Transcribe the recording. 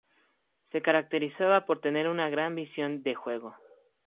Se caracterizaba por tener una gran visión de juego.